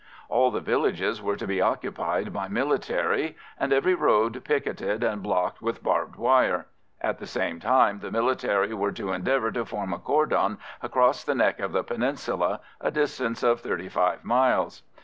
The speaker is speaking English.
All the villages were to be occupied by military, and every road picketed and blocked with barbed wire; at the same time the military were to endeavour to form a cordon across the neck of the peninsula, a distance of thirty five miles.